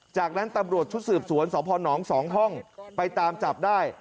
จากนั้นตำรวจชุดสืบสวนสพน๒ห้องไปตามจับได้